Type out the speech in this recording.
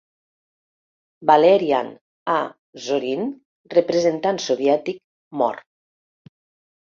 Valerian A. Zorin, representant soviètic, mor.